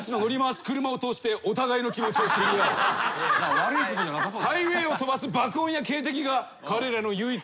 悪いことじゃなさそうだ。